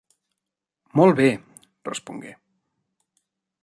Molt bé", respongué.